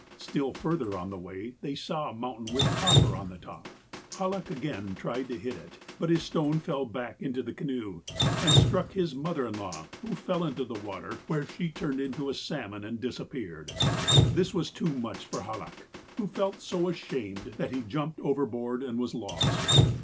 ''Still further on the way, they saw a mountain with copper on the top. Hallach again tried to hit it, but his stone fell back into the canoe, and struck his mother in law, who fell into the water, where she turned into a salmon and disappeared. " This was too much for Hallach, who felt so ashamed that he jumped overboard and was lost.